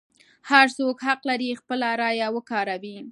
هر څوک حق لري خپله رایه وکاروي.